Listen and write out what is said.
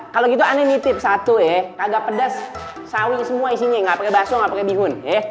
kalo gitu aneh ini tip satu ye agak pedas sawi semua isinya gapake bakso gapake bingun ye